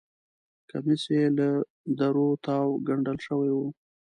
کمیس یې له درو تاوو ګنډل شوی و.